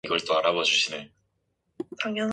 그래두 오늘은 일을 헌다구 반찬이 좀 나은 셈인데요.